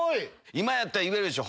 今やったら言えるでしょ？